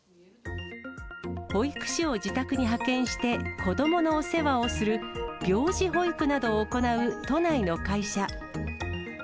保育士を自宅に派遣して、子どものお世話をする、病児保育などを行う都内の会社。